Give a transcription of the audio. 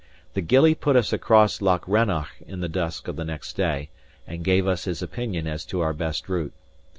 The gillie put us across Loch Rannoch in the dusk of the next day, and gave us his opinion as to our best route.